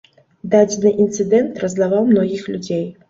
Дадзены інцыдэнт раззлаваў многіх людзей.